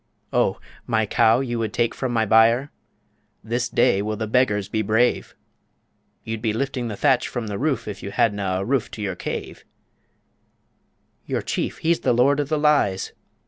Oh! my cow you would take from my byre? This day will the beggars be brave! You'd be lifting the thatch from the roof If you hadna' a roof to your cave Your chief he's the lord o' the lies!